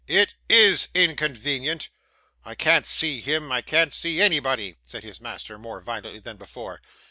'It IS inconvenient. I can't see him. I can't see anybody,' said his master, more violently than before.